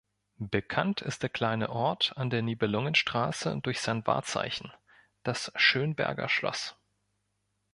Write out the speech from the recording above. Bekannt ist der kleine Ort an der Nibelungenstraße durch sein Wahrzeichen, das Schönberger Schloss.